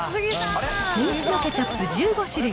人気のケチャップ１５種類